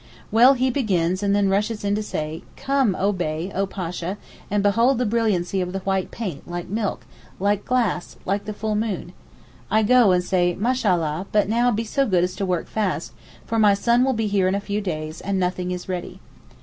Well, he begins and then rushes in to say: 'Come oh Bey, oh Pasha! and behold the brilliancy of the white paint, like milk, like glass, like the full moon.' I go and say, 'Mashallah! but now be so good as to work fast, for my son will be here in a few days, and nothing is ready.